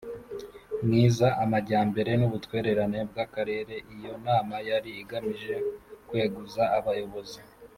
myiza amajyambere n ubutwererane by Akarere Iyo nama yari igamije kweguza abayobozi